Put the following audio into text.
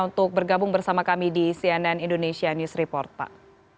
untuk bergabung bersama kami di cnn indonesia news report pak